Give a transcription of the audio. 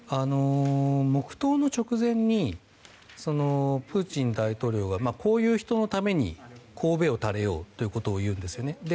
黙祷の直前にプーチン大統領がこういう人のためにこうべを垂れようということを言うんですよね。